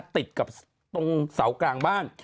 ติดกับตรงเสากลางบ้าน